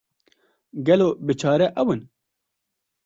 Gelo biçare ew in?